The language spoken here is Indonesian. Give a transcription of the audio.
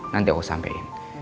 nanti aku sampein